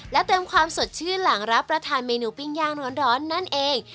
และเติมความสดชื่นหลังรับประทานเมนูปิ้งย่างร้อนนั่นเอง